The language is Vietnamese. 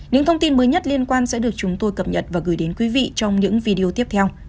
những thông tin mới nhất liên quan sẽ được chúng tôi cập nhật và gửi đến quý vị trong những video tiếp theo